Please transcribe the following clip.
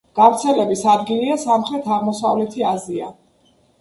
გავრცელების ადგილია სამხრეთ-აღმოსავლეთი აზია.